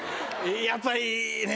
やっぱりね。